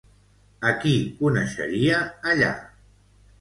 A qui coneixeria allà?